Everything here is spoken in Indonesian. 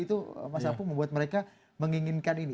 itu mas apung membuat mereka menginginkan ini